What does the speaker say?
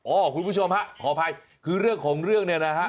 คุณผู้ชมฮะขออภัยคือเรื่องของเรื่องเนี่ยนะฮะ